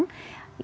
itu penting loh